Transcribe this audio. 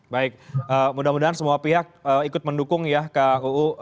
baik mudah mudahan semua pihak ikut mendukung ya kuu